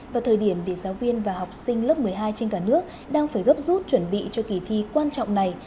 vào thời điểm để giáo viên và học sinh lớp một mươi hai trên cả nước đang phải gấp rút chuẩn bị cho kỳ thi quan trọng này